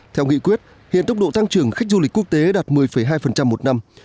theo nghị quyết hiện tốc độ tăng trưởng khách du lịch quốc tế đạt một mươi hai một năm